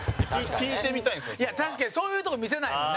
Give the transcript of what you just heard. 陣内：確かにそういうとこ見せないもんね。